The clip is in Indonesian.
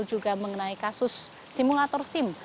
juga mengenai kasus simulator sim